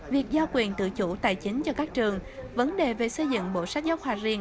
việc giao quyền tự chủ tài chính cho các trường vấn đề về xây dựng bộ sách giáo khoa riêng